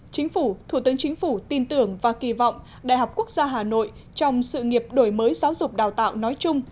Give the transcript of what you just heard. chính phủ thủ tướng chính phủ tin tưởng và kỳ vọng đại học quốc gia hà nội trong sự nghiệp đổi mới giáo dục đào tạo nói chung